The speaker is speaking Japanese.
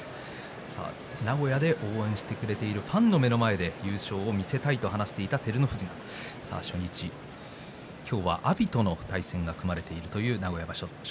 名古屋で応援してくれているファンの目の前で優勝を見せたいと話していた照ノ富士初日の今日は阿炎との対戦が組まれています。